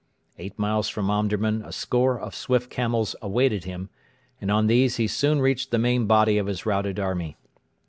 Eight miles from Omdurman a score of swift camels awaited him, and on these he soon reached the main body of his routed army.